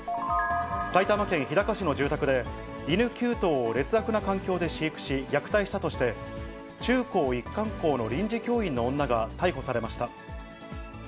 埼玉県日高市の住宅で、犬９頭を劣悪な環境で飼育し、虐待したとして、中高一貫校の臨時教員の女が逮捕されました。